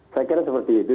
saya kira seperti itu